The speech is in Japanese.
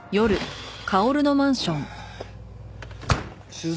取材？